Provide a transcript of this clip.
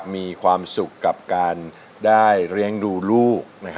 มีความสุขกับการได้เลี้ยงดูลูก